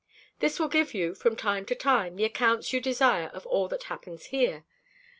This will give you, from time to time, the accounts you desire of all that happens here.